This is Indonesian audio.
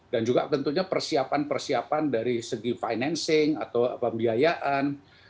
dan juga tentunya persiapan persiapan dari segi financing atau pembiayaan